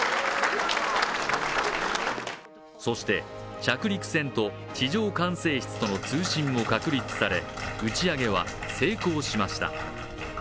そして、着陸船と地上管制室との通信も確立され、打ち上げは成功しました。